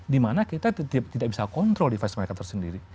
di mana kita tidak bisa kontrol device mereka tersendiri